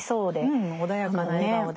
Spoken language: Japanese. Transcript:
うん穏やかな笑顔で。